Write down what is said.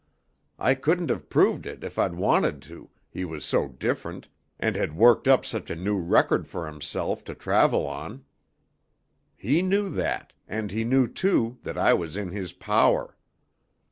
I couldn't have proved it if I'd wanted to, he was so different, and had worked up such a new record for himself to travel on. He knew that, and he knew, too, that I was in his power."